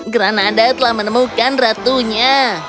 granada telah menemukan ratunya